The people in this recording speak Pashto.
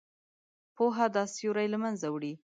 پوهه دا سیوری له منځه وړي.